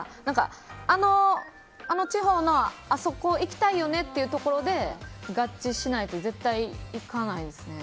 あの地方のあそこ行きたいよねというところで合致しないと絶対に行かないですね。